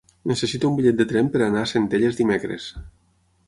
Necessito un bitllet de tren per anar a Centelles dimecres.